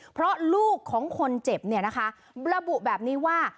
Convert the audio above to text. เพราะลูกของคนเจ็บเนี่ยนะคะระบุแบบนี้ว่า